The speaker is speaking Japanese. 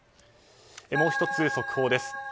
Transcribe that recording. もう１つ、速報です。